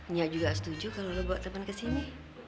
nya juga setuju kalo lo bawa temen kesini